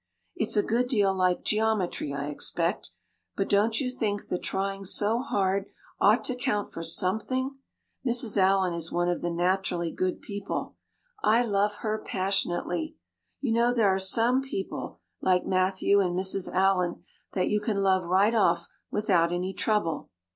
It's a good deal like geometry, I expect. But don't you think the trying so hard ought to count for something? Mrs. Allan is one of the naturally good people. I love her passionately. You know there are some people, like Matthew and Mrs. Allan that you can love right off without any trouble.